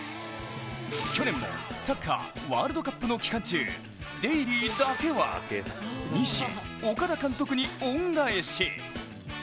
去年もサッカーワールドカップの期間中、デイリーだけは、「西、岡田監督に恩返し」。